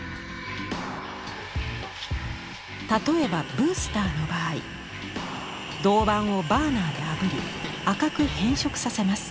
例えばブースターの場合銅板をバーナーであぶり赤く変色させます。